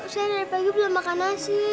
saya naik pagi belum makan nasi